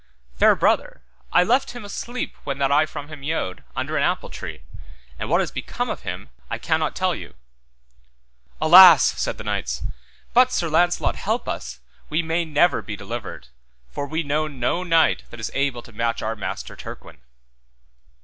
Fair brother, I left him asleep when that I from him yode, under an apple tree, and what is become of him I cannot tell you. Alas, said the knights, but Sir Launcelot help us we may never be delivered, for we know now no knight that is able to match our master Turquine.